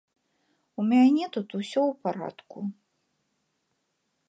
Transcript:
У мяне тут усё ў парадку.